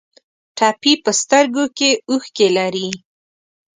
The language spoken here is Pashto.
ټپي په سترګو کې اوښکې لري.